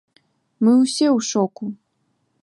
Мы ўсе ў шоку!